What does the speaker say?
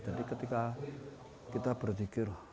jadi ketika kita berpikir